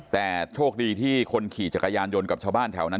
แต่โชคดีที่คนขี่จักรยานยนต์กับชาวบ้านแถวนั้น